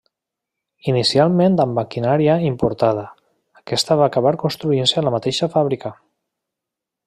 Inicialment amb maquinària importada, aquesta va acabar construint-se a la mateixa fàbrica.